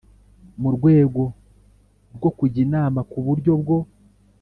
mu rwego rwo kujya inama ku buryo bwo